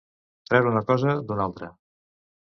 Treure una cosa d'una altra.